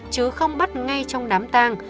chứ không bắt ngay trong đám tang